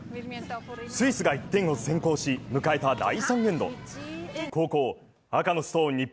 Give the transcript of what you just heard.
スイスが１点を先行し、迎えた第３エンド、後攻、赤のストーン